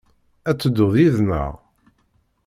Ad tedduḍ yid-neɣ?